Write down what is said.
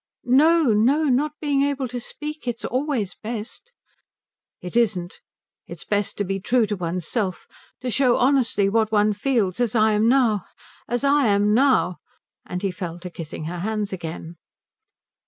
"No, no not being able to speak. It's always best " "It isn't. It's best to be true to one's self, to show honestly what one feels, as I am now as I am now " And he fell to kissing her hands again.